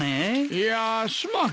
いやーすまん。